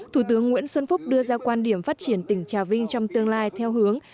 thủ tướng nguyễn xuân phúc đưa ra quan điểm phát triển tỉnh trà vinh trong tương lai theo hướng